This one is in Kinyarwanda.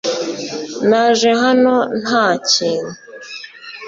naje hano nta kintu